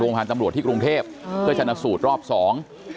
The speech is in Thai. โรงพยาคณะสำรวจที่กรุงเทบเมื่อชนะสูตรรอบสอง